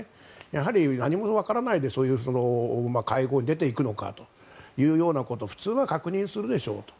やはり何もわからないでそういう会合に出ていくのかということ普通は確認するでしょうと。